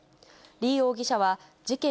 李容疑者は事件